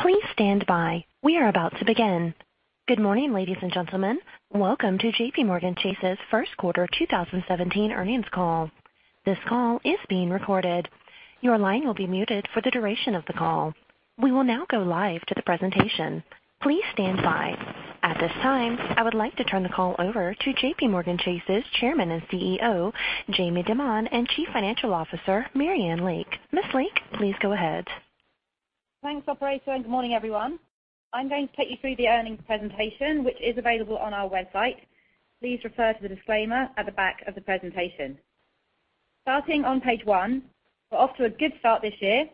Please stand by. We are about to begin. Good morning, ladies and gentlemen. Welcome to JPMorgan Chase's first quarter 2017 earnings call. This call is being recorded. Your line will be muted for the duration of the call. We will now go live to the presentation. Please stand by. At this time, I would like to turn the call over to JPMorgan Chase's Chairman and CEO, Jamie Dimon, and Chief Financial Officer, Marianne Lake. Ms. Lake, please go ahead. Thanks, operator, good morning, everyone. I'm going to take you through the earnings presentation, which is available on our website. Please refer to the disclaimer at the back of the presentation. Starting on page one, we're off to a good start this year,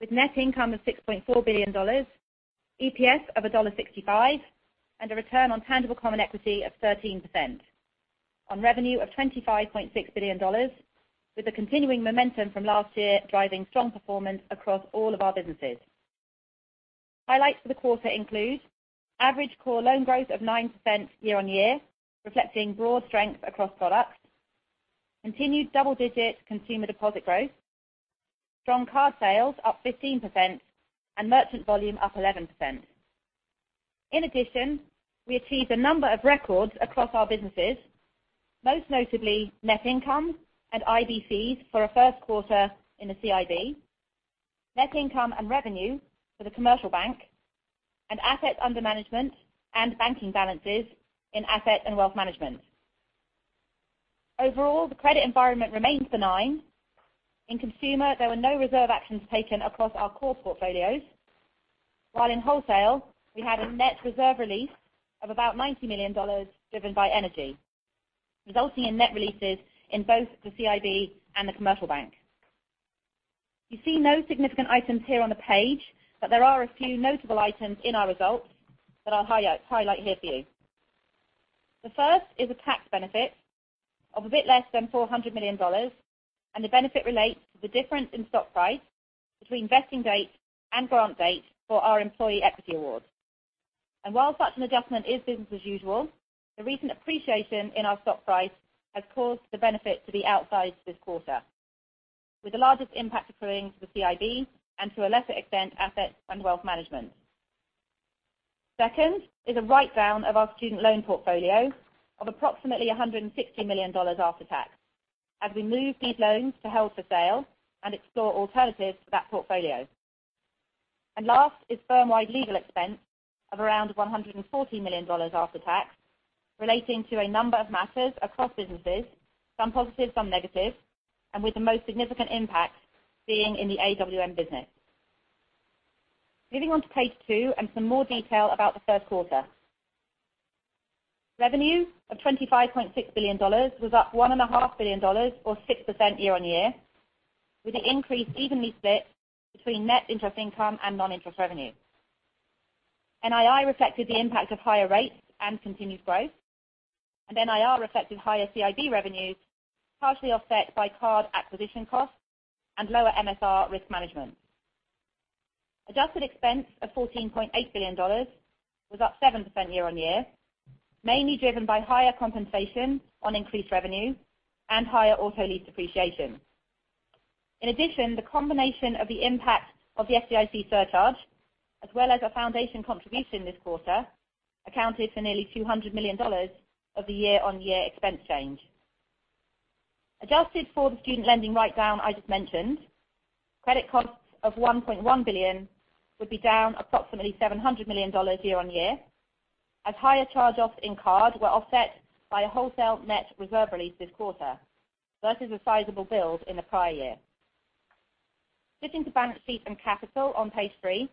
with net income of $6.4 billion, EPS of $1.65, and a return on tangible common equity of 13%, on revenue of $25.6 billion, with the continuing momentum from last year driving strong performance across all of our businesses. Highlights for the quarter include average core loan growth of 9% year-on-year, reflecting broad strength across products, continued double-digit consumer deposit growth, strong card sales up 15%, and merchant volume up 11%. We achieved a number of records across our businesses, most notably net income and IB fees for a first quarter in the CIB, net income and revenue for the Commercial Bank, and assets under management and banking balances in Asset & Wealth Management. Overall, the credit environment remains benign. In consumer, there were no reserve actions taken across our core portfolios, while in wholesale we had a net reserve release of about $90 million, driven by energy, resulting in net releases in both the CIB and the Commercial Bank. You see no significant items here on the page, but there are a few notable items in our results that I'll highlight here for you. The first is a tax benefit of a bit less than $400 million. The benefit relates to the difference in stock price between vesting date and grant date for our employee equity awards. While such an adjustment is business as usual, the recent appreciation in our stock price has caused the benefit to be outsized this quarter, with the largest impact accruing to the CIB and to a lesser extent, Asset & Wealth Management. Second is a write-down of our student loan portfolio of approximately $160 million after tax, as we move these loans to held for sale and explore alternatives for that portfolio. Last is firm-wide legal expense of around $140 million after tax, relating to a number of matters across businesses, some positive, some negative, and with the most significant impact being in the AWM business. Moving on to page two and some more detail about the first quarter. Revenue of $25.6 billion was up $1.5 billion or 6% year-on-year, with the increase evenly split between Net Interest Income and non-interest revenue. NII reflected the impact of higher rates and continued growth, NIR reflected higher CIB revenues, partially offset by card acquisition costs and lower MSR risk management. Adjusted expense of $14.8 billion was up 7% year-on-year, mainly driven by higher compensation on increased revenue and higher auto lease depreciation. In addition, the combination of the impact of the FDIC surcharge, as well as our foundation contribution this quarter, accounted for nearly $200 million of the year-on-year expense change. Adjusted for the student lending write-down I just mentioned, credit costs of $1.1 billion would be down approximately $700 million year-on-year as higher charge-offs in card were offset by a wholesale net reserve release this quarter, versus a sizable build in the prior year. Switching to balance sheet and capital on page three.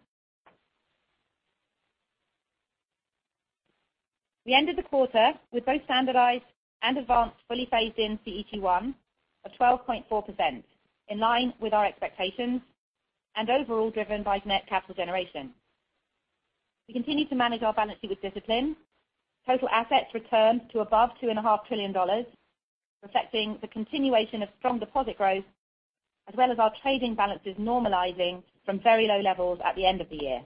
We ended the quarter with both standardized and advanced fully phased in CET1 of 12.4%, in line with our expectations, overall driven by net capital generation. We continue to manage our balance sheet with discipline. Total assets returned to above $2.5 trillion, reflecting the continuation of strong deposit growth, as well as our trading balances normalizing from very low levels at the end of the year.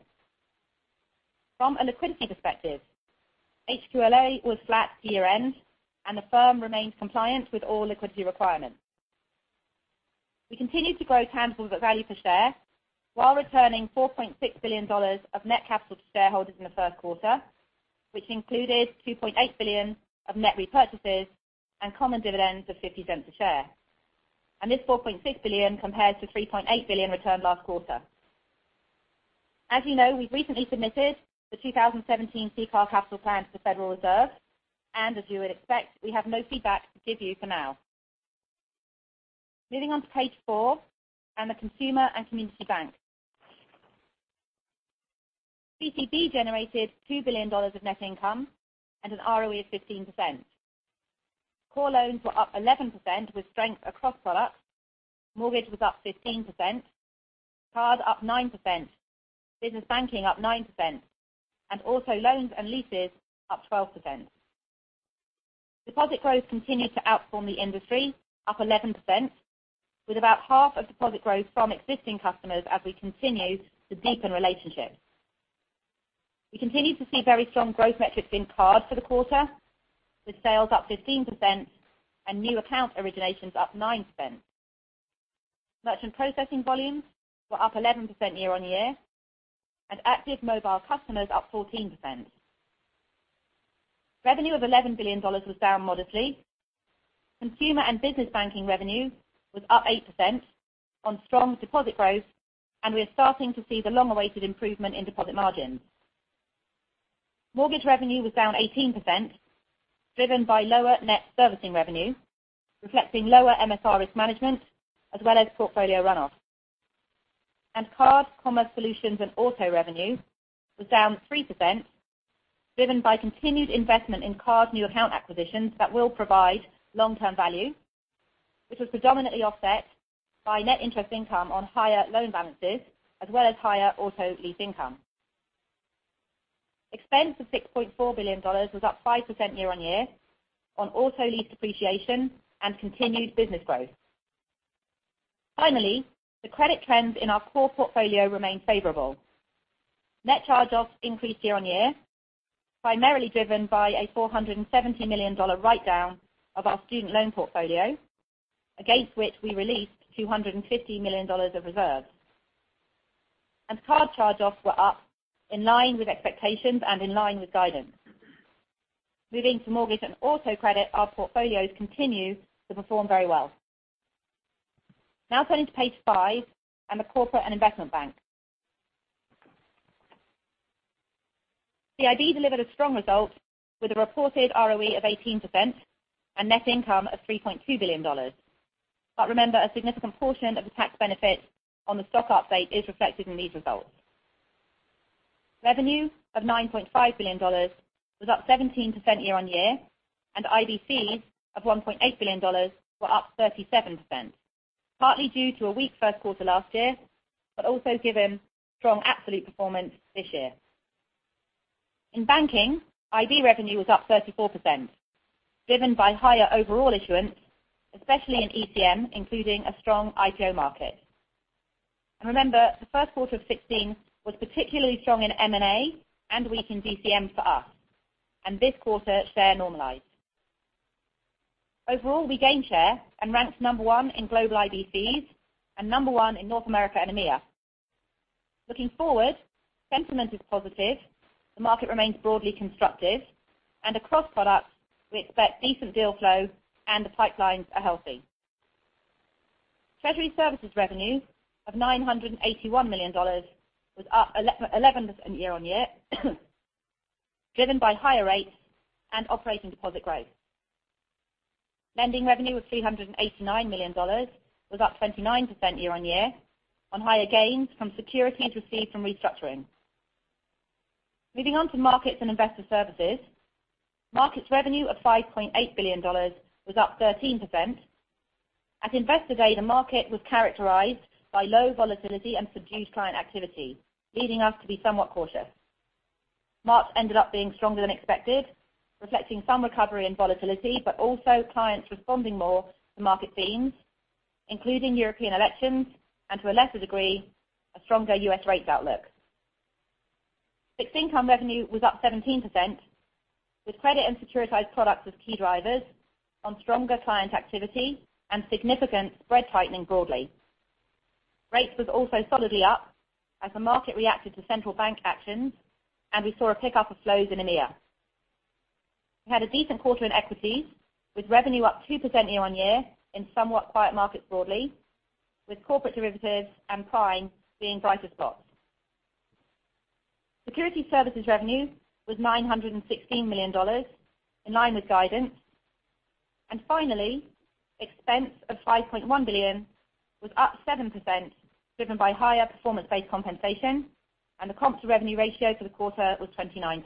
From a liquidity perspective, HQLA was flat year-end, the firm remains compliant with all liquidity requirements. We continue to grow tangible book value per share while returning $4.6 billion of net capital to shareholders in the first quarter, which included $2.8 billion of net repurchases and common dividends of $0.50 a share. This $4.6 billion compares to $3.8 billion returned last quarter. As you know, we've recently submitted the 2017 CCAR capital plan to the Federal Reserve, as you would expect, we have no feedback to give you for now. Moving on to page four, the Consumer and Community Bank. CCB generated $2 billion of net income and an ROE of 15%. Core loans were up 11% with strength across products. Mortgage was up 15%, card up 9%, Business Banking up 9%, and auto loans and leases up 12%. Deposit growth continued to outperform the industry, up 11%, with about half of deposit growth from existing customers as we continue to deepen relationships. We continue to see very strong growth metrics in cards for the quarter, with sales up 15% and new account originations up 9%. Merchant processing volumes were up 11% year-on-year, and active mobile customers up 14%. Revenue of $11 billion was down modestly. Consumer and Business Banking revenue was up 8% on strong deposit growth, and we are starting to see the long-awaited improvement in deposit margins. Mortgage revenue was down 18%, driven by lower net servicing revenue, reflecting lower MSR risk management, as well as portfolio runoff. Card, commerce solutions, and auto revenue was down 3%, driven by continued investment in card new account acquisitions that will provide long-term value, which was predominantly offset by Net Interest Income on higher loan balances, as well as higher auto lease income. Expense of $6.4 billion was up 5% year-on-year on auto lease depreciation and continued business growth. Finally, the credit trends in our core portfolio remain favorable. Net charge-offs increased year-on-year, primarily driven by a $470 million write-down of our student loan portfolio, against which we released $250 million of reserves. Card charge-offs were up in line with expectations and in line with guidance. Moving to mortgage and auto credit, our portfolios continue to perform very well. Now turning to page 5 and the Corporate & Investment Bank. CIB delivered a strong result with a reported ROE of 18% and net income of $3.2 billion. Remember, a significant portion of the tax benefit on the stock update is reflected in these results. Revenue of $9.5 billion was up 17% year-over-year, and IB fees of $1.8 billion were up 37%, partly due to a weak first quarter last year, but also given strong absolute performance this year. In banking, IB revenue was up 34%, driven by higher overall issuance, especially in ECM, including a strong IPO market. Remember, the first quarter of 2016 was particularly strong in M&A and weak in DCM for us, and this quarter, share normalized. Overall, we gained share and ranked number 1 in global IB fees and number 1 in North America and EMEA. Looking forward, sentiment is positive, the market remains broadly constructive, and across products, we expect decent deal flow and the pipelines are healthy. Treasury Services revenue of $981 million was up 11% year-over-year, driven by higher rates and operating deposit growth. Lending revenue of $389 million was up 29% year-over-year on higher gains from securities received from restructuring. Moving on to Markets & Investor Services. Markets revenue of $5.8 billion was up 13%. At Investor Day, the market was characterized by low volatility and subdued client activity, leading us to be somewhat cautious. March ended up being stronger than expected, reflecting some recovery and volatility, but also clients responding more to market themes, including European elections and, to a lesser degree, a stronger US rates outlook. Fixed income revenue was up 17%, with credit and securitized products as key drivers on stronger client activity and significant spread tightening broadly. Rates was also solidly up as the market reacted to central bank actions, and we saw a pickup of flows in EMEA. We had a decent quarter in equities, with revenue up 2% year-over-year in somewhat quiet markets broadly, with corporate derivatives and prime being brighter spots. Security Services revenue was $916 million, in line with guidance. Finally, expense of $5.1 billion was up 7%, driven by higher performance-based compensation, and the comp-to-revenue ratio for the quarter was 29%.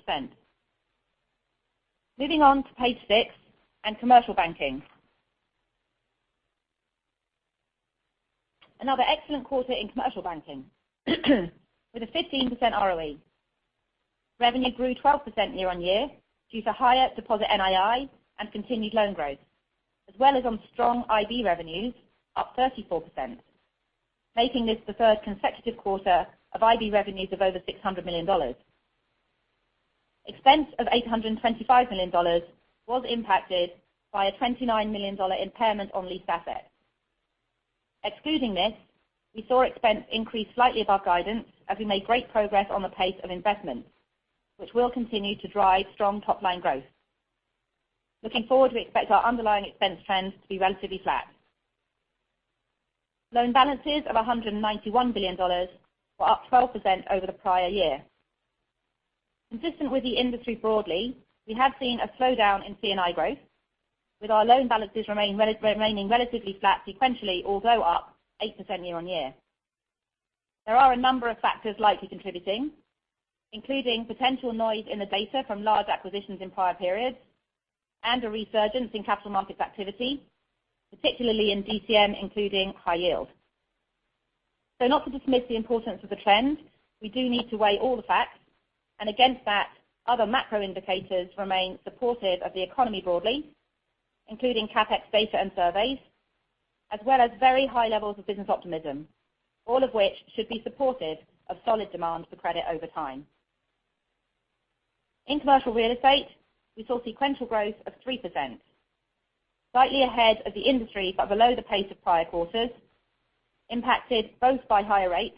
Moving on to page 6 and Commercial Banking. Another excellent quarter in Commercial Banking with a 15% ROE. Revenue grew 12% year-over-year due to higher deposit NII and continued loan growth, as well as on strong IB revenues up 34%, making this the third consecutive quarter of IB revenues of over $600 million. Expense of $825 million was impacted by a $29 million impairment on leased assets. Excluding this, we saw expense increase slightly above guidance as we made great progress on the pace of investments, which will continue to drive strong top-line growth. Looking forward, we expect our underlying expense trends to be relatively flat. Loan balances of $191 billion were up 12% over the prior year. Consistent with the industry broadly, we have seen a slowdown in C&I growth, with our loan balances remaining relatively flat sequentially, although up 8% year-over-year. There are a number of factors likely contributing, including potential noise in the data from large acquisitions in prior periods and a resurgence in capital markets activity, particularly in DCM, including high yield. Not to dismiss the importance of the trend, we do need to weigh all the facts, and against that, other macro indicators remain supportive of the economy broadly, including CapEx data and surveys. Very high levels of business optimism, all of which should be supportive of solid demand for credit over time. In commercial real estate, we saw sequential growth of 3%, slightly ahead of the industry, but below the pace of prior quarters, impacted both by higher rates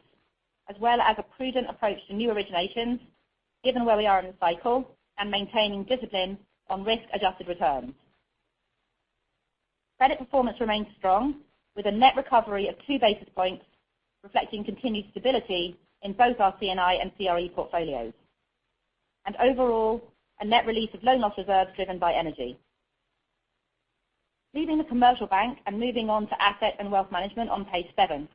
as well as a prudent approach to new originations, given where we are in the cycle and maintaining discipline on risk-adjusted returns. Credit performance remains strong, with a net recovery of two basis points, reflecting continued stability in both our C&I and CRE portfolios. Overall, a net release of loan loss reserves driven by energy. Leaving the commercial bank and moving on to Asset and Wealth Management on page seven.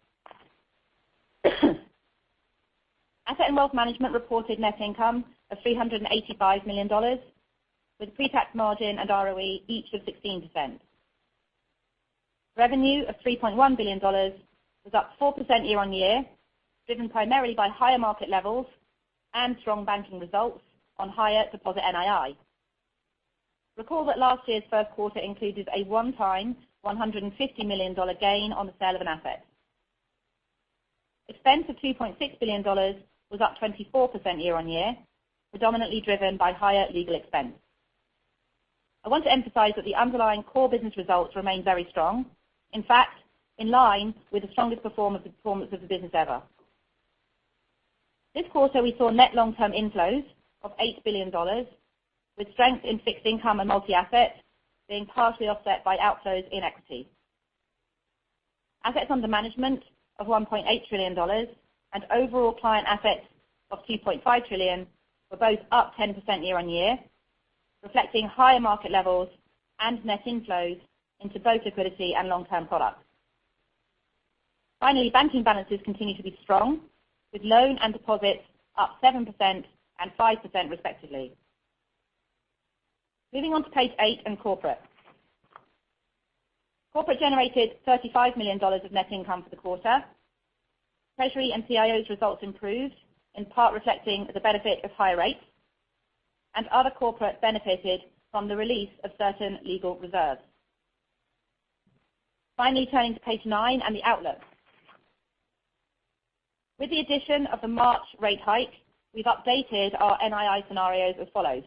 Asset and Wealth Management reported net income of $385 million, with pre-tax margin and ROE each of 16%. Revenue of $3.1 billion was up 4% year-over-year, driven primarily by higher market levels and strong banking results on higher deposit NII. Recall that last year's first quarter included a one-time, $150 million gain on the sale of an asset. Expense of $2.6 billion was up 24% year-over-year, predominantly driven by higher legal expense. I want to emphasize that the underlying core business results remain very strong, in fact, in line with the strongest performance of the business ever. This quarter, we saw net long-term inflows of $8 billion, with strength in fixed income and multi-asset being partially offset by outflows in equity. Assets under management of $1.8 trillion and overall client assets of $2.5 trillion were both up 10% year-over-year, reflecting higher market levels and net inflows into both liquidity and long-term products. Finally, banking balances continue to be strong, with loan and deposits up 7% and 5% respectively. Moving on to page eight and Corporate. Corporate generated $35 million of net income for the quarter. Treasury and CIO's results improved, in part reflecting the benefit of higher rates, and other Corporate benefited from the release of certain legal reserves. Finally, turning to page nine and the outlook. With the addition of the March rate hike, we've updated our NII scenarios as follows.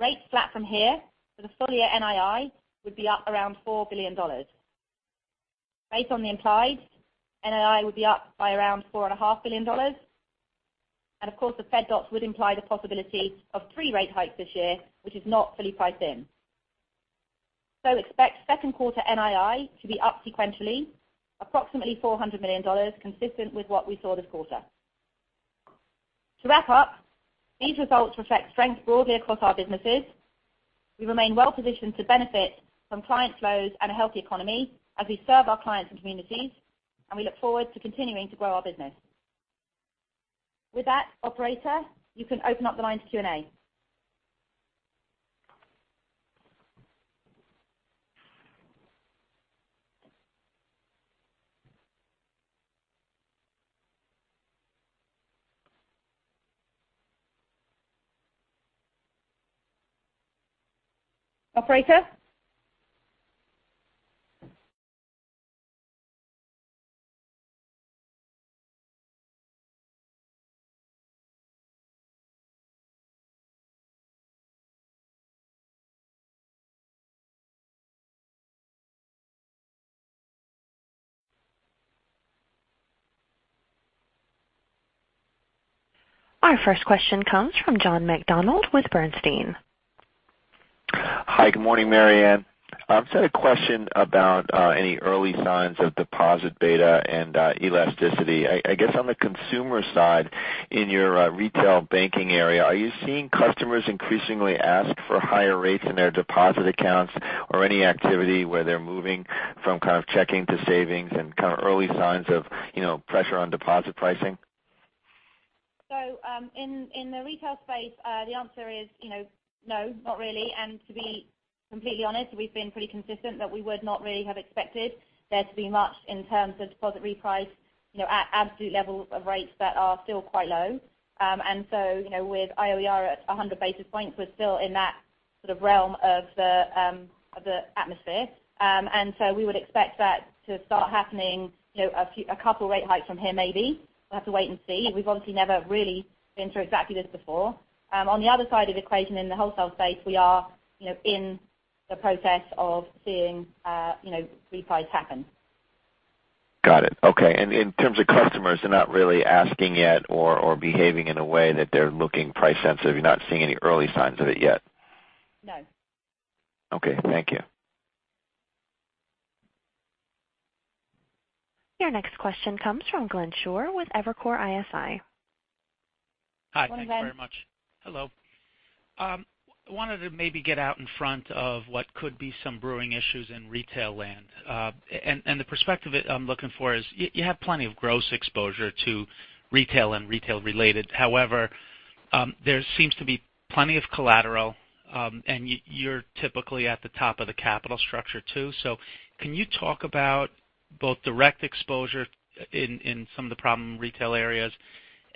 Rates flat from here for the full-year NII would be up around $4 billion. Based on the implied, NII would be up by around $4.5 billion. Of course, the Fed dots would imply the possibility of three rate hikes this year, which is not fully priced in. Expect second quarter NII to be up sequentially approximately $400 million, consistent with what we saw this quarter. To wrap up, these results reflect strength broadly across our businesses. We remain well positioned to benefit from client flows and a healthy economy as we serve our clients and communities, and we look forward to continuing to grow our business. With that, operator, you can open up the line to Q&A. Operator? Our first question comes from John McDonald with Bernstein. Hi, good morning, Marianne. I just had a question about any early signs of deposit beta and elasticity. I guess on the consumer side, in your retail banking area, are you seeing customers increasingly ask for higher rates in their deposit accounts or any activity where they're moving from checking to savings and early signs of pressure on deposit pricing? In the retail space, the answer is no, not really. To be completely honest, we've been pretty consistent that we would not really have expected there to be much in terms of deposit reprice at absolute levels of rates that are still quite low. With IOER at 100 basis points, we're still in that realm of the atmosphere. We would expect that to start happening a couple rate hikes from here, maybe. We'll have to wait and see. We've obviously never really been through exactly this before. On the other side of the equation, in the wholesale space, we are in the process of seeing reprice happen. Got it. Okay. In terms of customers, they're not really asking yet or behaving in a way that they're looking price sensitive. You're not seeing any early signs of it yet. No. Okay. Thank you. Your next question comes from Glenn Schorr with Evercore ISI. Hi, Glenn. Hi. Thank you very much. Hello. I wanted to maybe get out in front of what could be some brewing issues in retail land. The perspective that I'm looking for is you have plenty of gross exposure to retail and retail related. However, there seems to be plenty of collateral, and you're typically at the top of the capital structure too. Can you talk about both direct exposure in some of the problem retail areas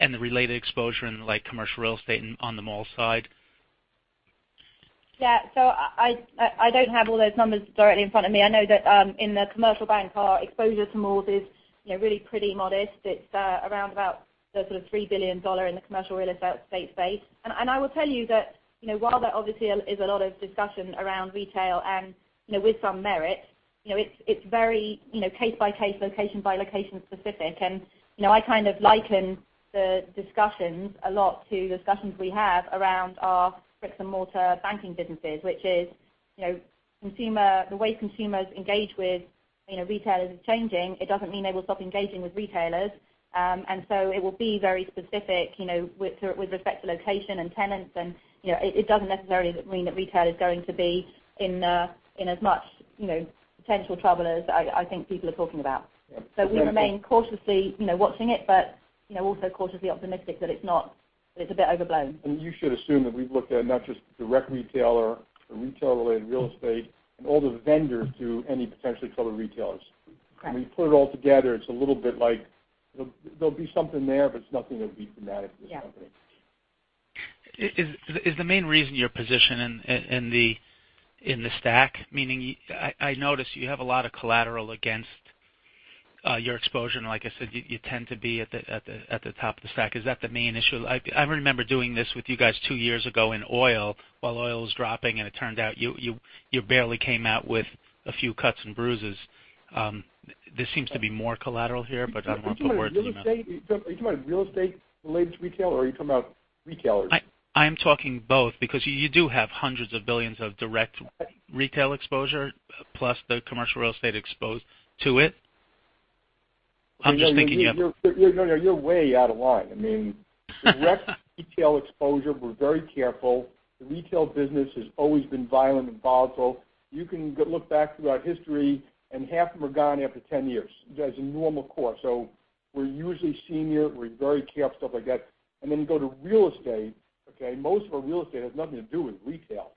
and the related exposure in commercial real estate on the mall side? I don't have all those numbers directly in front of me. I know that in the commercial bank, our exposure to malls is really pretty modest. It's around about the sort of $3 billion in the commercial real estate space. I will tell you that while there obviously is a lot of discussion around retail and with some merit, it's very case by case, location by location specific. I kind of liken the discussions a lot to discussions we have around our bricks and mortar banking businesses, which is the way consumers engage with retailers is changing. It doesn't mean they will stop engaging with retailers. It will be very specific with respect to location and tenants, and it doesn't necessarily mean that retail is going to be in as much potential trouble as I think people are talking about. Yeah. We remain cautiously watching it, but also cautiously optimistic that it's a bit overblown. You should assume that we've looked at not just direct retailer or retail-related real estate and all the vendors to any potentially troubled retailers. Correct. When you put it all together, it's a little bit like there'll be something there, but it's nothing that would be thematic for the company. Yeah. Is the main reason your position in the stack, meaning I notice you have a lot of collateral against your exposure, and like I said, you tend to be at the top of the stack? Is that the main issue? I remember doing this with you guys 2 years ago in oil while oil was dropping, and it turned out you barely came out with a few cuts and bruises. This seems to be more collateral here, but I want to put words in your mouth. Are you talking about real estate related to retail, or are you talking about retailers? I am talking both because you do have hundreds of billions of direct retail exposure plus the commercial real estate exposed to it. No, you're way out of line. I mean, direct retail exposure, we're very careful. The retail business has always been violent and volatile. You can look back throughout history, and half of them are gone after 10 years. That is a normal course. We're usually senior. We're very careful, stuff like that. You go to real estate. Most of our real estate has nothing to do with retail.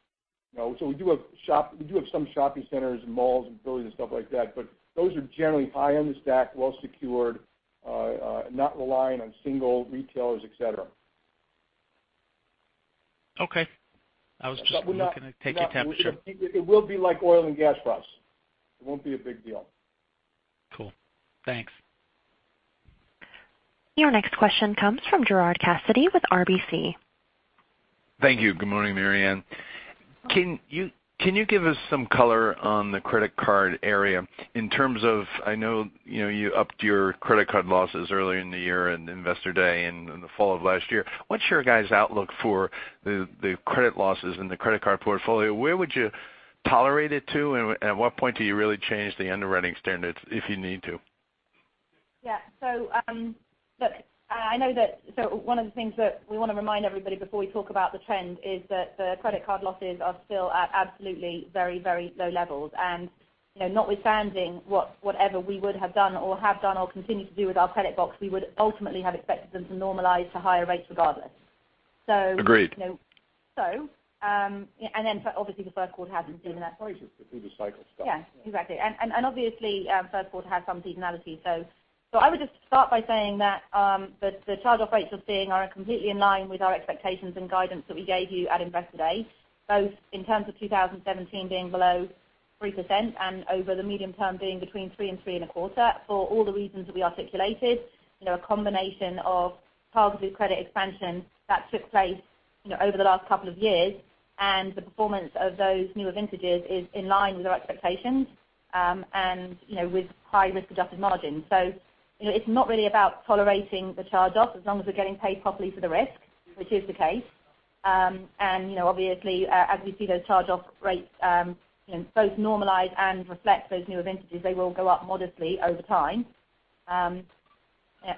We do have some shopping centers and malls and buildings and stuff like that, but those are generally high on the stack, well-secured, not relying on single retailers, et cetera. Okay. I was just looking to take your temperature. It will be like oil and gas for us. It won't be a big deal. Cool. Thanks. Your next question comes from Gerard Cassidy with RBC. Thank you. Good morning, Marianne. Can you give us some color on the credit card area in terms of, I know you upped your credit card losses earlier in the year in Investor Day in the fall of last year. What is your guys' outlook for the credit losses in the credit card portfolio? Where would you tolerate it to, and at what point do you really change the underwriting standards if you need to? Yeah. One of the things that we want to remind everybody before we talk about the trend is that the credit card losses are still at absolutely very low levels. Notwithstanding whatever we would have done or have done or continue to do with our credit box, we would ultimately have expected them to normalize to higher rates regardless. Agreed. Obviously the first quarter hasn't seen that. Through the cycle stuff. Yeah. Exactly. Obviously, first quarter has some seasonality. I would just start by saying that the charge-off rates we're seeing are completely in line with our expectations and guidance that we gave you at Investor Day, both in terms of 2017 being below 3% and over the medium term being between 3% and 3.25% for all the reasons that we articulated. A combination of targeted credit expansion that took place over the last couple of years, and the performance of those newer vintages is in line with our expectations, and with high risk-adjusted margins. It's not really about tolerating the charge-offs as long as we're getting paid properly for the risk, which is the case. Obviously, as we see those charge-off rates both normalize and reflect those newer vintages, they will go up modestly over time.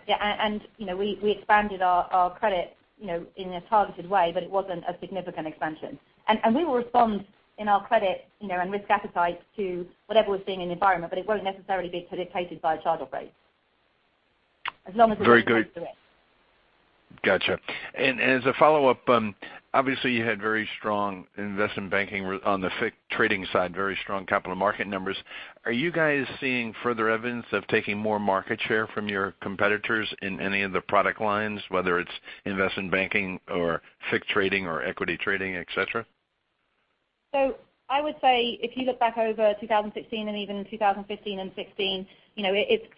We expanded our credit in a targeted way, but it wasn't a significant expansion. We will respond in our credit and risk appetite to whatever we're seeing in the environment, but it won't necessarily be dictated by charge-off rates as long as we. Very good. Get paid for the risk. Got you. As a follow-up, obviously you had very strong Investment Banking on the FICC trading side, very strong Capital Markets numbers. Are you guys seeing further evidence of taking more market share from your competitors in any of the product lines, whether it's Investment Banking or FICC trading or Equity Trading, et cetera? I would say if you look back over 2016 and even 2015 and 2016,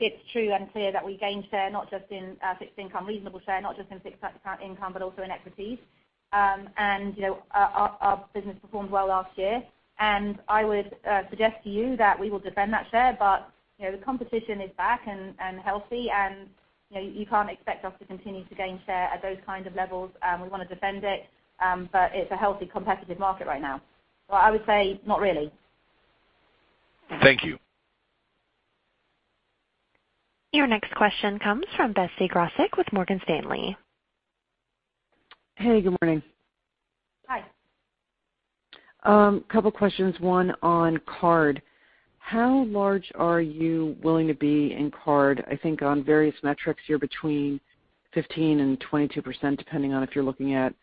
it's true and clear that we gained share, not just in Fixed Income, reasonable share, not just in Fixed Income, but also in Equities. Our business performed well last year. I would suggest to you that we will defend that share, but the competition is back and healthy, and you can't expect us to continue to gain share at those kinds of levels. We want to defend it. It's a healthy, competitive market right now. I would say not really. Thank you. Your next question comes from Betsy Graseck with Morgan Stanley. Hey, good morning. Hi. A couple questions, one on card. How large are you willing to be in card? I think on various metrics, you're between 15% and 22%, depending on if you're looking at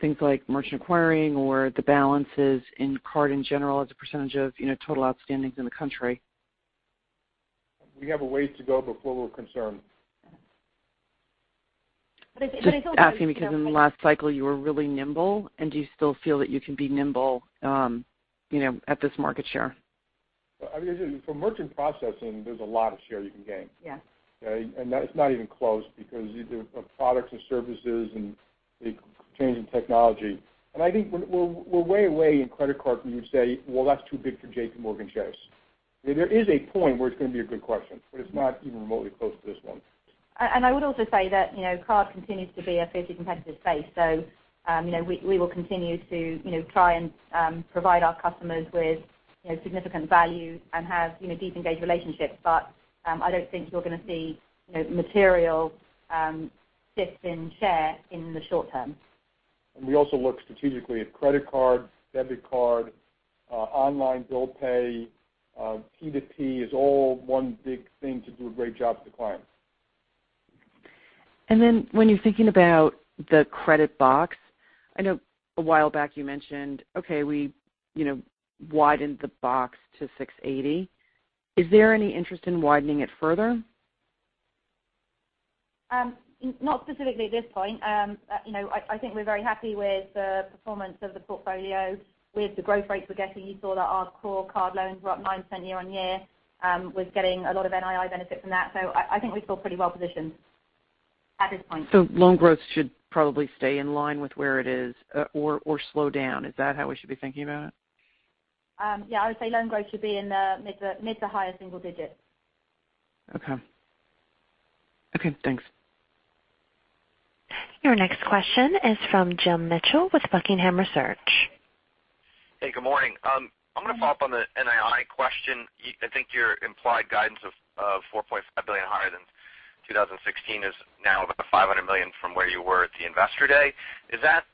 things like merchant acquiring or the balances in card in general as a percentage of total outstandings in the country. We have a ways to go before we're concerned Just asking because in the last cycle you were really nimble, and do you still feel that you can be nimble at this market share? For merchant processing, there's a lot of share you can gain. Yes. Okay? It's not even close because of products and services and the change in technology. I think we're way away in credit card from you say, "Well, that's too big for JPMorgan Chase." There is a point where it's going to be a good question, but it's not even remotely close to this one. I would also say that card continues to be a fiercely competitive space. We will continue to try and provide our customers with significant value and have deep engaged relationships. I don't think you're going to see material shifts in share in the short term. We also look strategically at credit card, debit card, online bill pay, P2P is all one big thing to do a great job for the clients. When you're thinking about the credit box, I know a while back you mentioned, okay, we widened the box to 680. Is there any interest in widening it further? Not specifically at this point. I think we're very happy with the performance of the portfolio with the growth rates we're getting. You saw that our core card loans were up 9% year-on-year. We're getting a lot of NII benefit from that. I think we feel pretty well positioned at this point. Loan growth should probably stay in line with where it is or slow down. Is that how we should be thinking about it? Yeah, I would say loan growth should be in the mid to higher single digits. Okay. Okay, thanks. Your next question is from James Mitchell with Buckingham Research. Hey, good morning. I'm going to follow up on the NII question. I think your implied guidance of $4.5 billion higher than 2016 is now about $500 million from where you were at the Investor Day. Is that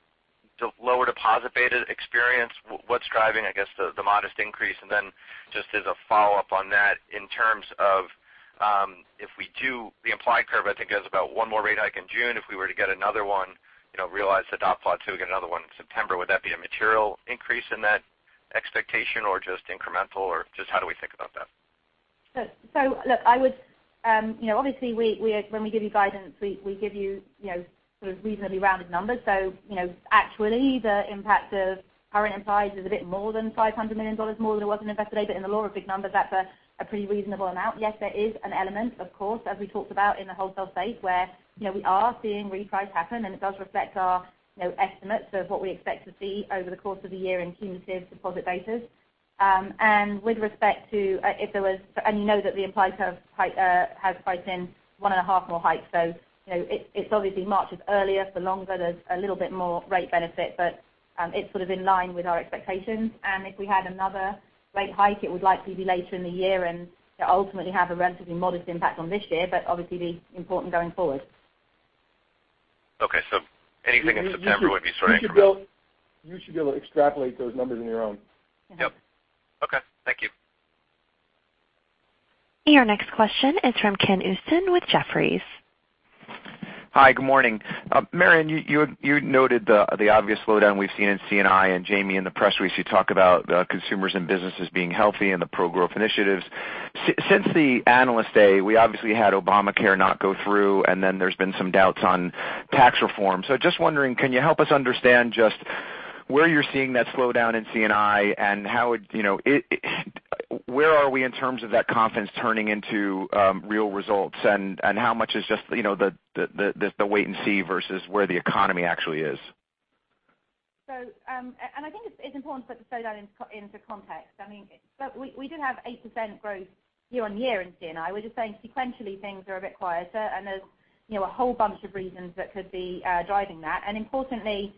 the lower deposit beta experience? What's driving, I guess, the modest increase? Then just as a follow-up on that, in terms of if we do the implied curve, I think has about one more rate hike in June. If we were to get another one, realize the dot plot to get another one in September, would that be a material increase in that expectation or just incremental or just how do we think about that? Look, obviously, when we give you guidance, we give you sort of reasonably rounded numbers. Actually the impact of current implies is a bit more than $500 million more than it was in Investor Day. In the lore of big numbers, that's a pretty reasonable amount. There is an element, of course, as we talked about in the wholesale space, where we are seeing reprice happen, and it does reflect our estimates of what we expect to see over the course of the year in cumulative deposit betas. With respect to if there was-- and you know that the implied curve has priced in one and a half more hikes. It's obviously marches earlier for longer. There's a little bit more rate benefit, but it's sort of in line with our expectations. If we had another rate hike, it would likely be later in the year and ultimately have a relatively modest impact on this year, but obviously be important going forward. Okay. Anything in September would be sort of incremental. You should be able to extrapolate those numbers on your own. Yep. Okay. Thank you. Your next question is from Ken Usdin with Jefferies. Hi, good morning. Marianne, you noted the obvious slowdown we've seen in C&I. Jamie in the press release you talk about consumers and businesses being healthy and the pro-growth initiatives. Since the Analyst Day, we obviously had Obamacare not go through, then there's been some doubts on tax reform. Just wondering, can you help us understand just where you're seeing that slowdown in C&I and where are we in terms of that confidence turning into real results and how much is just the wait and see versus where the economy actually is? I mean, we do have 8% growth year-on-year in C&I. We're just saying sequentially things are a bit quieter and there's a whole bunch of reasons that could be driving that. Importantly,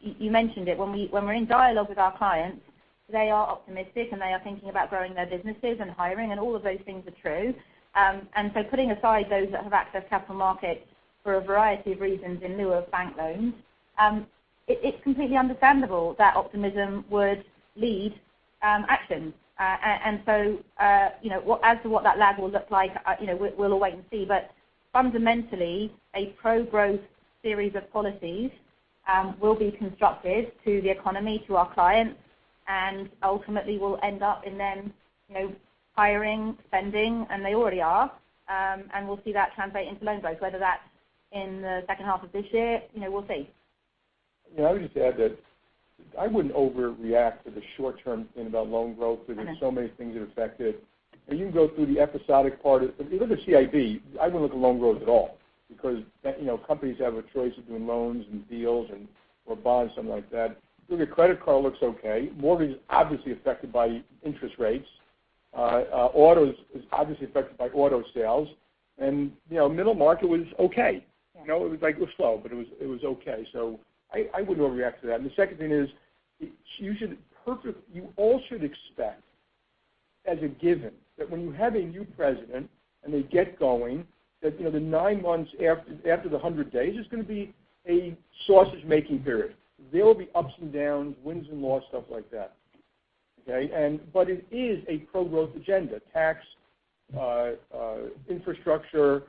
you mentioned it, when we're in dialogue with our clients, they are optimistic, and they are thinking about growing their businesses and hiring, and all of those things are true. Putting aside those that have accessed capital markets for a variety of reasons in lieu of bank loans, it's completely understandable that optimism would lead action. As to what that lag will look like, we'll all wait and see. Fundamentally, a pro-growth series of policies will be constructive to the economy, to our clients, and ultimately will end up in them hiring, spending, and they already are. We'll see that translate into loan growth, whether that's in the second half of this year, we'll see. I would just add that I wouldn't overreact to the short term thing about loan growth because there's so many things that affect it. You can go through the episodic part. If you look at CIB, I wouldn't look at loan growth at all because companies have a choice of doing loans and deals or bonds, something like that. Credit card looks okay. Mortgage is obviously affected by interest rates. Autos is obviously affected by auto sales. Middle market was okay. It was slow, but it was okay. I wouldn't overreact to that. The second thing is you all should expect as a given that when you have a new president and they get going, that the nine months after the 100 days is going to be a sausage making period. There will be ups and downs, wins and losses, stuff like that. Okay. It is a pro-growth agenda, tax, infrastructure.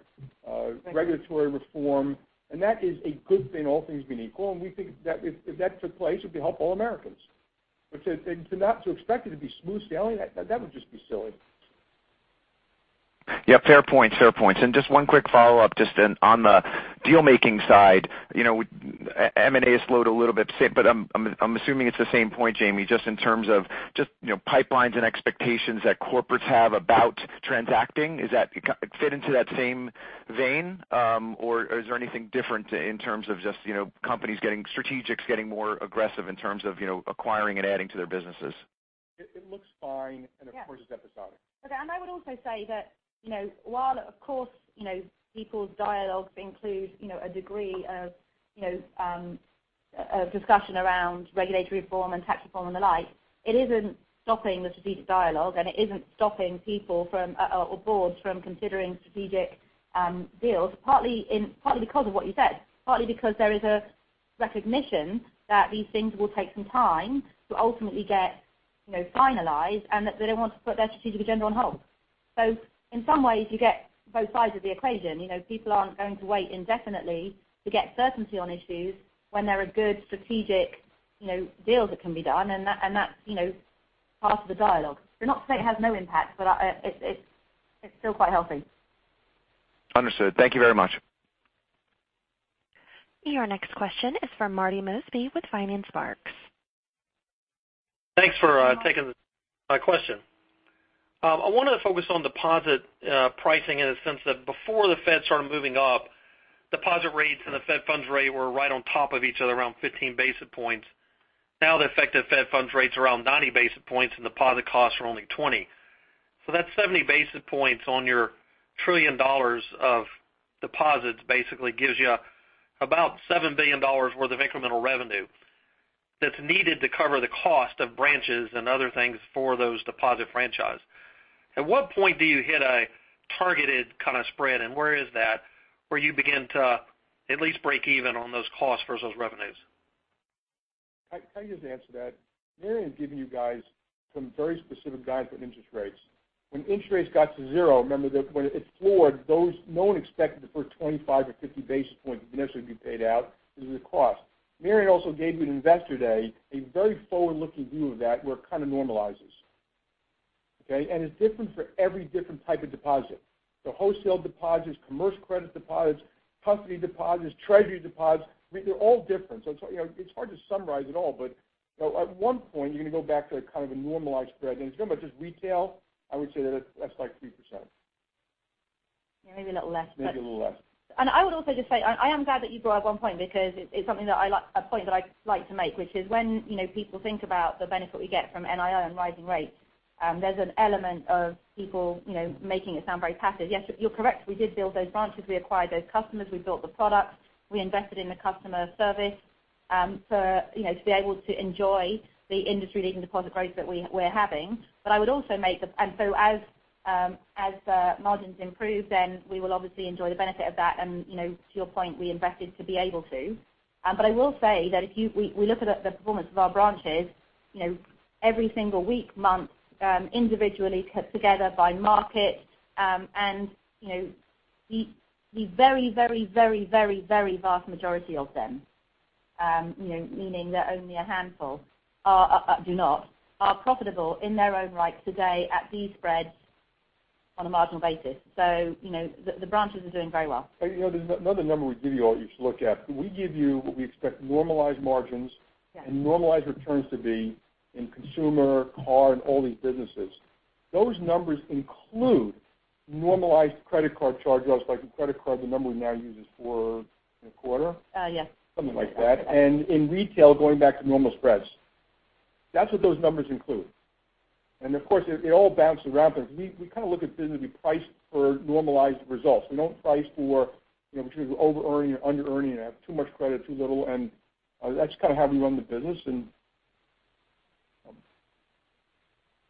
Thank you regulatory reform. That is a good thing, all things being equal, and we think if that took place, it would help all Americans. To not to expect it to be smooth sailing, that would just be silly. Yeah, fair points. Just one quick follow-up. Just on the deal-making side, M&A has slowed a little bit, but I'm assuming it's the same point, Jamie, just in terms of just pipelines and expectations that corporates have about transacting. Is that fit into that same vein? Is there anything different in terms of just strategics getting more aggressive in terms of acquiring and adding to their businesses? It looks fine, and of course it's episodic. Yeah. Okay, I would also say that while of course, people's dialogues include a degree of discussion around regulatory reform and tax reform and the like, it isn't stopping the strategic dialogue, and it isn't stopping people or boards from considering strategic deals, partly because of what you said. Partly because there is a recognition that these things will take some time to ultimately get finalized, and that they don't want to put their strategic agenda on hold. In some ways, you get both sides of the equation. People aren't going to wait indefinitely to get certainty on issues when there are good strategic deals that can be done. That's part of the dialogue. Not to say it has no impact, but it's still quite healthy. Understood. Thank you very much. Your next question is from Marty Mosby with Vining Sparks. Thanks for taking my question. I want to focus on deposit pricing in the sense that before the Fed started moving up, deposit rates and the fed funds rate were right on top of each other, around 15 basis points. Now the effective fed funds rate's around 90 basis points and deposit costs are only 20. That 70 basis points on your $1 trillion of deposits basically gives you about $7 billion worth of incremental revenue that's needed to cover the cost of branches and other things for those deposit franchise. At what point do you hit a targeted kind of spread, and where is that where you begin to at least break even on those costs versus revenues? I tell you the answer to that. Marianne given you guys some very specific guidance on interest rates. When interest rates got to zero, remember that when it floored, no one expected the first 25 or 50 basis points would initially be paid out. This is a cost. Marianne also gave you at Investor Day, a very forward-looking view of that where it kind of normalizes. Okay? It's different for every different type of deposit. Wholesale deposits, commercial credit deposits, custody deposits, treasury deposits, they're all different. It's hard to summarize it all, but at one point, you're going to go back to kind of a normalized spread, and it's no much as retail. I would say that that's like 3%. Yeah, maybe a little less. Maybe a little less. I would also just say, I am glad that you brought up one point because it's a point that I like to make, which is when people think about the benefit we get from NII and rising rates, there's an element of people making it sound very passive. Yes, you're correct. We did build those branches. We acquired those customers. We built the products. We invested in the customer service to be able to enjoy the industry-leading deposit growth that we're having. As margins improve, we will obviously enjoy the benefit of that, and to your point, we invested to be able to. I will say that if we look at the performance of our branches every single week, month, individually put together by market, the very vast majority of them, meaning that only a handful do not, are profitable in their own right today at these spreads on a marginal basis. The branches are doing very well. There's another number we give you all you should look at. We give you what we expect normalized margins- Yeah Normalized returns to be in consumer, card, and all these businesses. Those numbers include normalized credit card charge-offs. Like in credit card, the number we now use is four and a quarter. Yes. Something like that. In retail, going back to normal spreads. That's what those numbers include. Of course, they all bounce around because we kind of look at business, we price for normalized results. We don't price for between overearning or underearning and too much credit or too little. That's kind of how we run the business.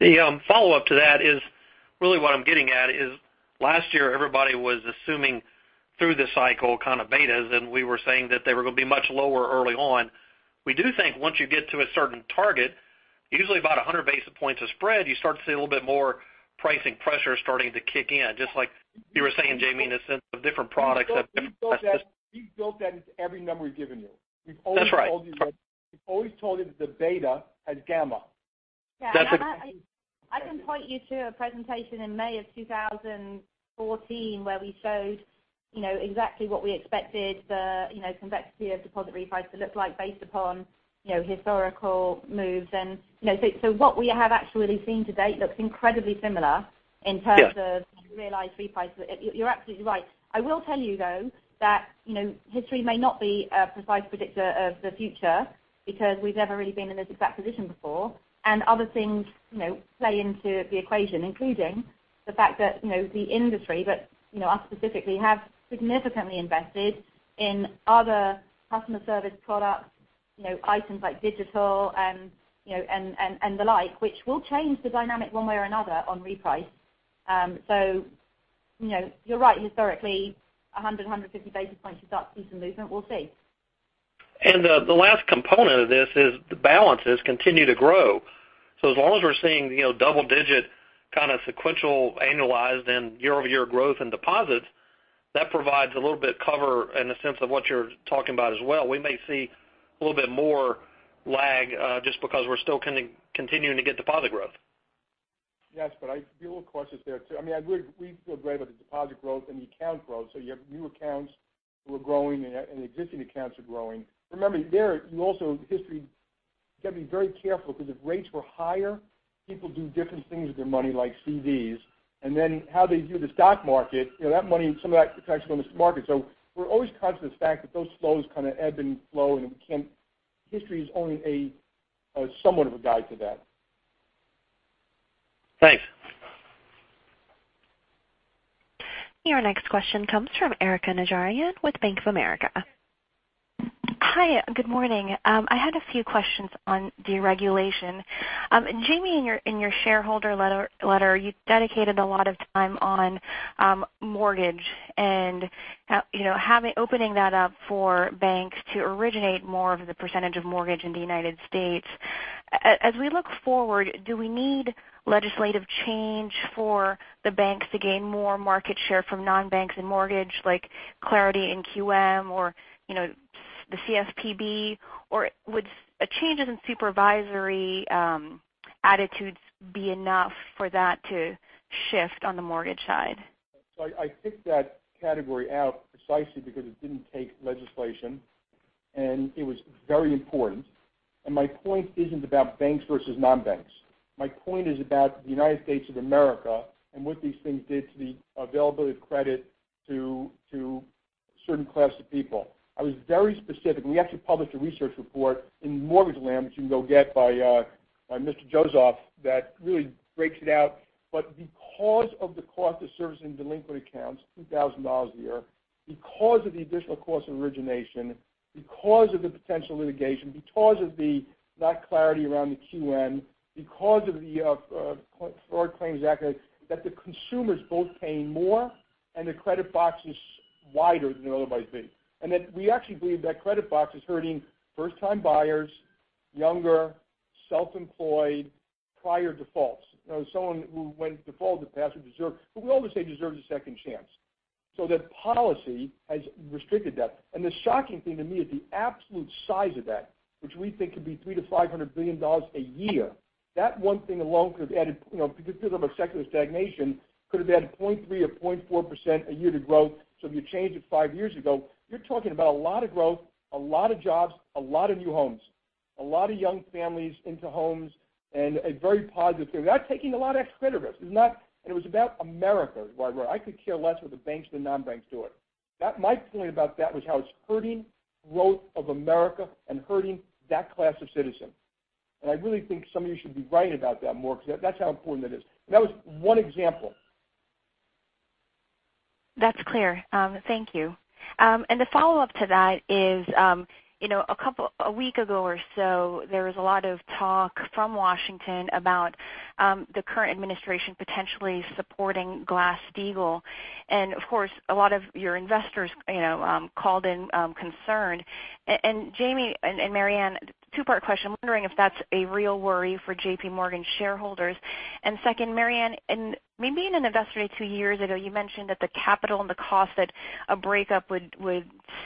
The follow-up to that is really what I'm getting at is last year everybody was assuming through the cycle kind of betas, and we were saying that they were going to be much lower early on. We do think once you get to a certain target, usually about 100 basis points of spread, you start to see a little bit more pricing pressure starting to kick in, just like you were saying, Jamie, in the sense of different products. We built that into every number we've given you. That's right. We've always told you that the beta has gamma. Yeah. I can point you to a presentation in May of 2014 where we showed exactly what we expected the convexity of deposit reprice to look like based upon historical moves. What we have actually seen to date looks incredibly similar in terms of realized reprices. You're absolutely right. I will tell you, though, that history may not be a precise predictor of the future because we've never really been in this exact position before. Other things play into the equation, including the fact that the industry, but us specifically, have significantly invested in other customer service products, items like digital and the like, which will change the dynamic one way or another on reprice. You're right. Historically, 100 to 150 basis points, you start to see some movement. We'll see. The last component of this is the balances continue to grow. As long as we're seeing double-digit kind of sequential annualized and year-over-year growth in deposits. That provides a little bit of cover in the sense of what you're talking about as well. We may see a little bit more lag, just because we're still continuing to get deposit growth. Yes, I'd be a little cautious there too. We feel great about the deposit growth and the account growth. You have new accounts who are growing and existing accounts are growing. Remember there, you also, history, you got to be very careful because if rates were higher, people do different things with their money, like CDs, and then how they view the stock market, that money, some of that potentially goes to the market. We're always conscious of the fact that those flows kind of ebb and flow, and history is only somewhat of a guide to that. Thanks. Your next question comes from Erika Najarian with Bank of America. Hi, good morning. I had a few questions on deregulation. Jamie, in your shareholder letter, you dedicated a lot of time on mortgage and opening that up for banks to originate more of the percentage of mortgage in the United States. As we look forward, do we need legislative change for the banks to gain more market share from non-banks in mortgage, like clarity in QM or the CFPB, or would changes in supervisory attitudes be enough for that to shift on the mortgage side? I picked that category out precisely because it didn't take legislation, and it was very important. My point isn't about banks versus non-banks. My point is about the United States of America and what these things did to the availability of credit to certain class of people. I was very specific. We actually published a research report in mortgage land, which you can go get by Mr. Jozoff that really breaks it out. Because of the cost of servicing delinquent accounts, $2,000 a year, because of the additional cost of origination, because of the potential litigation, because of the lack of clarity around the QM, because of the False Claims Act, that the consumers both paying more and the credit box is wider than it otherwise be. That we actually believe that credit box is hurting first-time buyers, younger, self-employed, prior defaults. Someone who went into default in the past who we always say deserves a second chance. That policy has restricted that. The shocking thing to me is the absolute size of that, which we think could be $300 billion-$500 billion a year. That one thing alone could have added, because of our secular stagnation, could have added 0.3% or 0.4% a year to growth. If you change it five years ago, you're talking about a lot of growth, a lot of jobs, a lot of new homes, a lot of young families into homes, and a very positive thing. Without taking a lot of extra credit risk. It was about America is why we wrote it. I could care less what the banks, the non-banks do it. My feeling about that was how it's hurting growth of America and hurting that class of citizen. I really think some of you should be writing about that more because that's how important that is. That was one example. That's clear. Thank you. The follow-up to that is, a week ago or so, there was a lot of talk from Washington about the current administration potentially supporting Glass-Steagall. Of course, a lot of your investors called in concerned. Jamie and Marianne, two-part question. I'm wondering if that's a real worry for JPMorgan shareholders. Second, Marianne, maybe in an Investor Day two years ago, you mentioned that the capital and the cost that a breakup would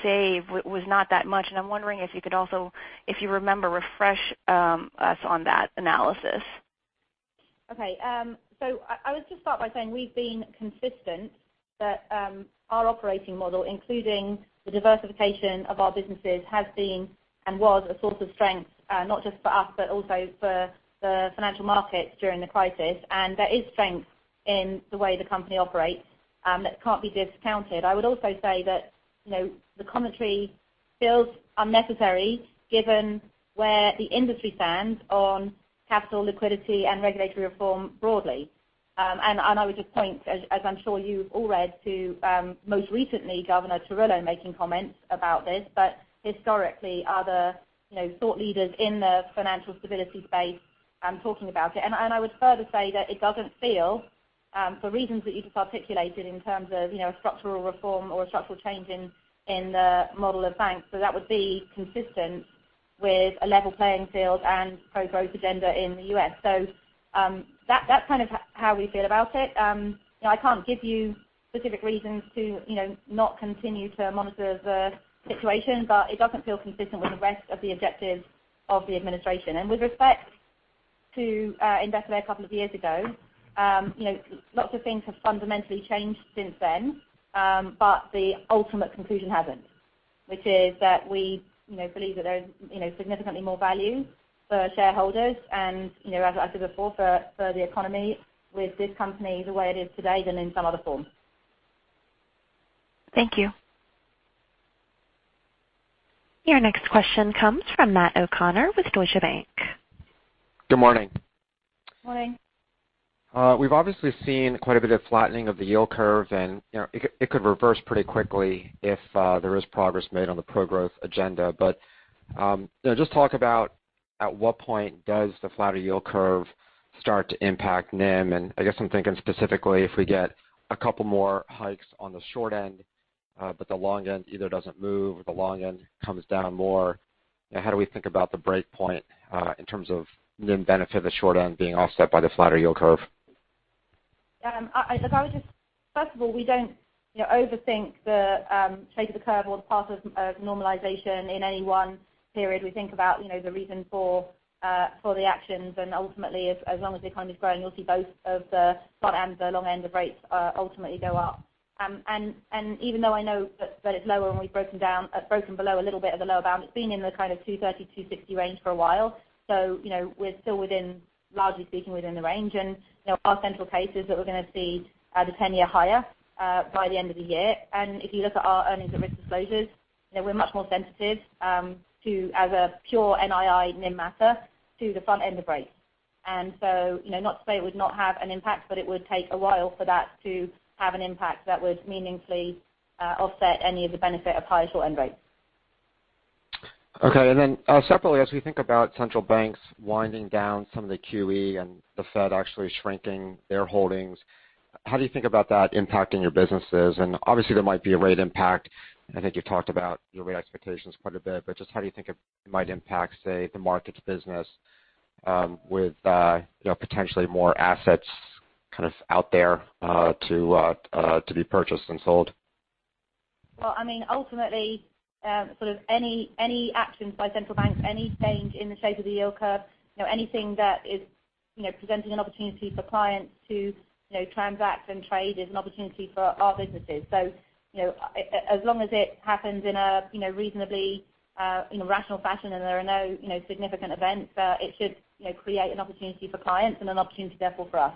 save was not that much. I'm wondering if you could also, if you remember, refresh us on that analysis. Okay. I would just start by saying we've been consistent that our operating model, including the diversification of our businesses, has been and was a source of strength, not just for us, but also for the financial markets during the crisis. There is strength in the way the company operates that can't be discounted. I would also say that the commentary feels unnecessary given where the industry stands on capital liquidity and regulatory reform broadly. I would just point, as I'm sure you've all read, to most recently Governor Tarullo making comments about this, but historically other thought leaders in the financial stability space talking about it. I would further say that it doesn't feel, for reasons that you've articulated in terms of a structural reform or a structural change in the model of banks, that would be consistent with a level playing field and pro-growth agenda in the U.S. That's kind of how we feel about it. I can't give you specific reasons to not continue to monitor the situation, but it doesn't feel consistent with the rest of the objectives of the administration. With respect to Investor Day a couple of years ago, lots of things have fundamentally changed since then. The ultimate conclusion hasn't, which is that we believe that there's significantly more value for shareholders and, as I said before, for the economy with this company the way it is today than in some other form. Thank you. Your next question comes from Matt O'Connor with Deutsche Bank. Good morning. Morning. We've obviously seen quite a bit of flattening of the yield curve. It could reverse pretty quickly if there is progress made on the pro-growth agenda. Just talk about at what point does the flatter yield curve start to impact NIM? I guess I'm thinking specifically if we get a couple more hikes on the short end, but the long end either doesn't move or the long end comes down more. How do we think about the break point in terms of NIM benefit of the short end being offset by the flatter yield curve? First of all, we don't overthink the shape of the curve or the path of normalization in any one period. We think about the reason for the actions. Ultimately, as long as the economy is growing, you'll see both of the front end, the long end of rates ultimately go up. Even though I know that it's lower and we've broken below a little bit of the lower bound, it's been in the kind of 230, 260 range for a while. We're still within, largely speaking, within the range. Our central case is that we're going to see the 10-year higher by the end of the year. If you look at our earnings at risk disclosures, we're much more sensitive as a pure NII NIM matter to the front end of rates. Not to say it would not have an impact, but it would take a while for that to have an impact that would meaningfully offset any of the benefit of higher short-end rates. Okay. Separately, as we think about central banks winding down some of the QE and the Fed actually shrinking their holdings, how do you think about that impacting your businesses? Obviously there might be a rate impact. I think you talked about your rate expectations quite a bit, but just how do you think it might impact, say, the markets business with potentially more assets out there to be purchased and sold? Ultimately, any actions by central banks, any change in the shape of the yield curve, anything that is presenting an opportunity for clients to transact and trade is an opportunity for our businesses. As long as it happens in a reasonably rational fashion and there are no significant events, it should create an opportunity for clients and an opportunity therefore for us.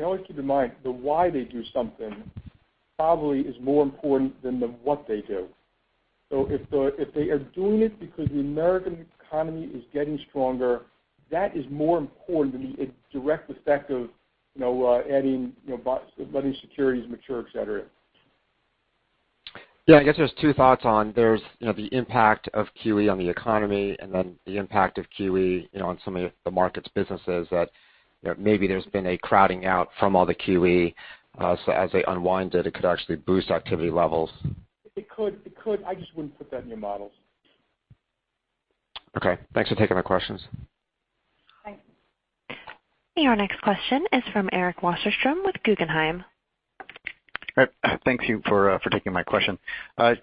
Always keep in mind the why they do something probably is more important than the what they do. If they are doing it because the American economy is getting stronger, that is more important than the direct effect of adding lending securities mature, et cetera. Yeah, I guess there's two thoughts on there's the impact of QE on the economy and then the impact of QE on some of the markets businesses that maybe there's been a crowding out from all the QE. As they unwind it could actually boost activity levels. It could. I just wouldn't put that in your models. Okay. Thanks for taking my questions. Thanks. Your next question is from Eric Wasserstrom with Guggenheim. Thank you for taking my question.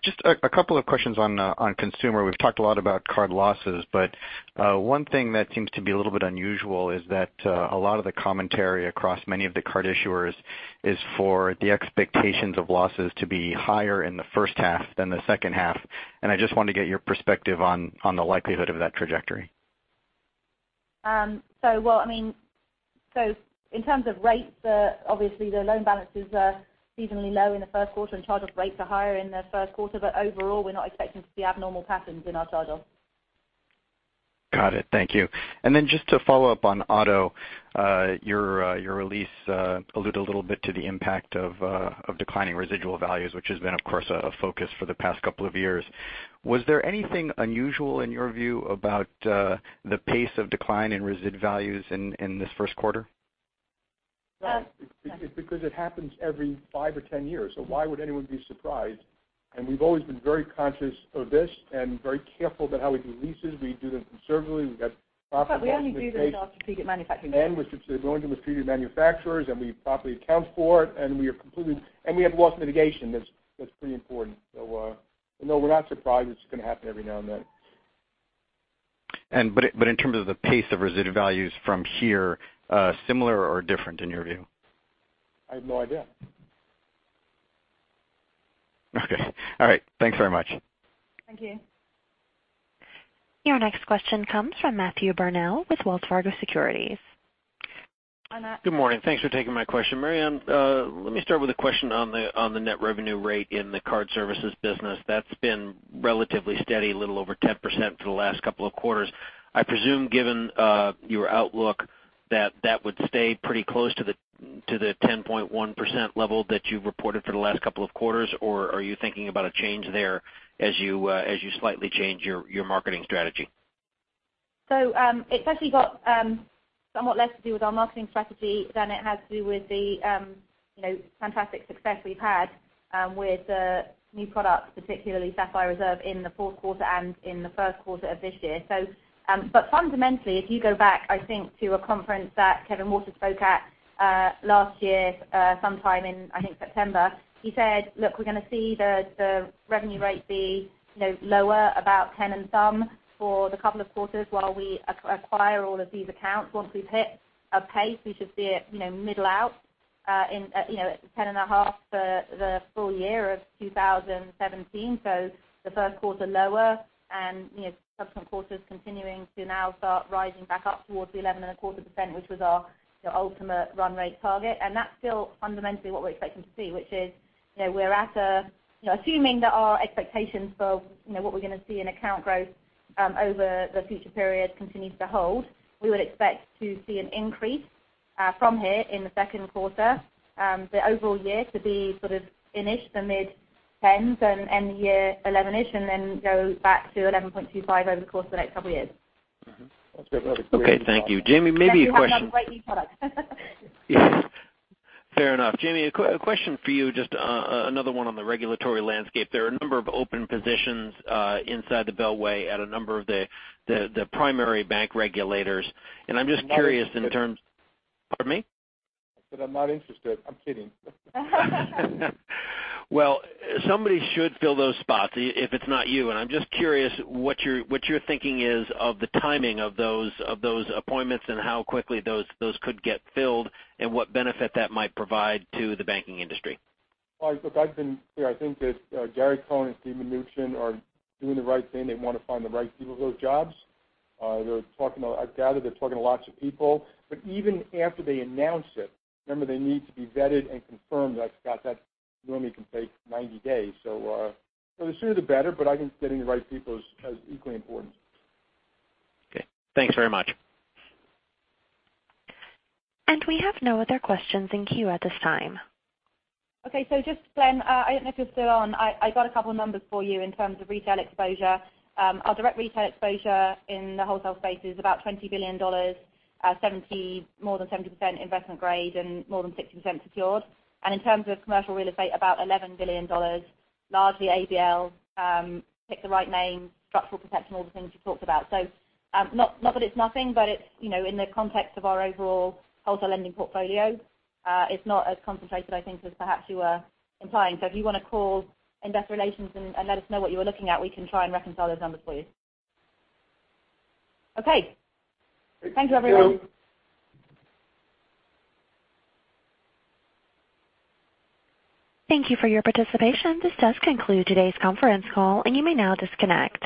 Just a couple of questions on consumer. We've talked a lot about card losses, but one thing that seems to be a little bit unusual is that a lot of the commentary across many of the card issuers is for the expectations of losses to be higher in the first half than the second half. I just wanted to get your perspective on the likelihood of that trajectory. In terms of rates, obviously the loan balances are seasonally low in the first quarter and charge-off rates are higher in the first quarter. Overall, we're not expecting to see abnormal patterns in our charge-offs. Got it. Thank you. Then just to follow up on auto, your release alluded a little bit to the impact of declining residual values, which has been, of course, a focus for the past couple of years. Was there anything unusual in your view about the pace of decline in resid values in this first quarter? It happens every five or 10 years, so why would anyone be surprised? We've always been very conscious of this and very careful about how we do leases. We do them conservatively. We've got proper loss mitigation. We only do them with our strategic manufacturing partners. With going to the strategic manufacturers, and we properly account for it, and we have loss mitigation. That's pretty important. No, we're not surprised. It's going to happen every now and then. In terms of the pace of residual values from here, similar or different in your view? I have no idea. Okay. All right, Thanks very much. Thank you. Your next question comes from Matthew Burnell with Wells Fargo Securities. Hi, Matt. Good morning. Thanks for taking my question. Marianne, let me start with a question on the net revenue rate in the card services business. That's been relatively steady, a little over 10% for the last couple of quarters. I presume given your outlook that would stay pretty close to the 10.1% level that you've reported for the last couple of quarters, or are you thinking about a change there as you slightly change your marketing strategy? It's actually got somewhat less to do with our marketing strategy than it has to do with the fantastic success we've had with new products, particularly Sapphire Reserve in the fourth quarter and in the first quarter of this year. Fundamentally, if you go back, I think, to a conference that Kevin Watters spoke at last year sometime in I think September, he said, "Look, we're going to see the revenue rate be lower, about 10 and some for the couple of quarters while we acquire all of these accounts. Once we've hit a pace, we should see it middle out at 10 and a half for the full year of 2017." The first quarter lower and subsequent quarters continuing to now start rising back up towards the 11.25%, which was our ultimate run rate target. That's still fundamentally what we're expecting to see, which is we're assuming that our expectations for what we're going to see in account growth over the future period continues to hold, we would expect to see an increase from here in the second quarter. The overall year to be sort of finish the mid-10s and end the year 11-ish and then go back to 11.25 over the course of the next couple of years. That's a very clear answer. Okay, thank you. Jamie, maybe a question. Jamie, you have a great new product. Yeah. Fair enough. Jamie, a question for you, just another one on the regulatory landscape. There are a number of open positions inside the Beltway at a number of the primary bank regulators. I'm just curious in terms- I'm not interested. Pardon me? I said I'm not interested. I'm kidding. Well, somebody should fill those spots if it's not you. I'm just curious what your thinking is of the timing of those appointments and how quickly those could get filled and what benefit that might provide to the banking industry. Look, I've been clear. I think that Gary Cohn and Steve Mnuchin are doing the right thing. They want to find the right people for those jobs. I gather they're talking to lots of people. Even after they announce it, remember they need to be vetted and confirmed. That normally can take 90 days. The sooner the better, but I think getting the right people is equally important. Okay. Thanks very much. We have no other questions in queue at this time. Okay. Glenn, I don't know if you're still on. I got a couple numbers for you in terms of retail exposure. Our direct retail exposure in the wholesale space is about $20 billion, more than 70% investment grade, and more than 60% secured. In terms of commercial real estate, about $11 billion, largely ABL, pick the right name, structural protection, all the things you talked about. Not that it's nothing, but it's in the context of our overall wholesale lending portfolio. It's not as concentrated, I think, as perhaps you were implying. If you want to call investor relations and let us know what you were looking at, we can try and reconcile those numbers for you. Okay. Thank you, everyone. Thank you. Thank you for your participation. This does conclude today's conference call. You may now disconnect.